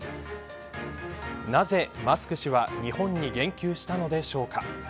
なぜマスク氏は日本に言及したのでしょうか。